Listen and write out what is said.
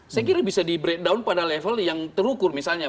saya kira bisa di breakdown pada level yang terukur misalnya